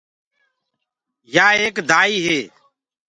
يآ ايڪ دآئي هي۔